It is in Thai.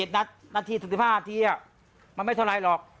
นาที๑๕นาทีมันไม่เท่าไรหรอก